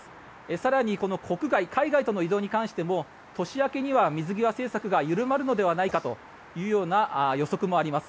更に国外、海外との移動に関しても年明けには水際政策が緩まるのではないかというような予測もあります。